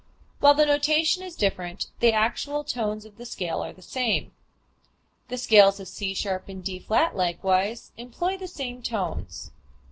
_, while the notation is different, the actual tones of the scale are the same. The scales of C[sharp] and D[flat] likewise employ the same tones.